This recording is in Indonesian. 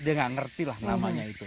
dia nggak ngerti lah namanya itu